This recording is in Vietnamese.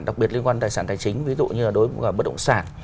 đặc biệt liên quan tài sản tài chính ví dụ như là đối với cả bất động sản